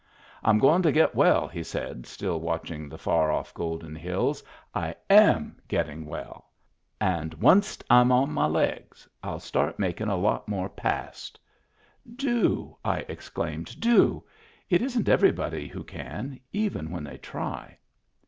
" I'm goin' to get well," he said, still watching the far oflF, golden hills. " I am getting well. And wunst I'm on my legs I'll start makin' a lot more Past." " Do !" I exclaimed. " Do. It isn't everybody who can, even when they try."